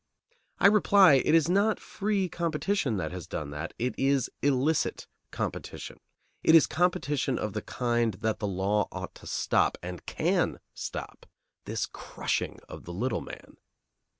I reply, it is not free competition that has done that; it is illicit competition. It is competition of the kind that the law ought to stop, and can stop, this crushing of the little man.